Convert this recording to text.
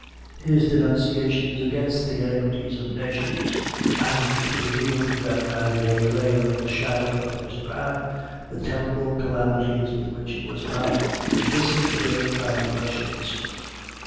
his denunciations against the iniquities of nations, and to reveal to them, as they lay under the shadow of his wrath, the terrible calamities with which he was about to visit their transgressions.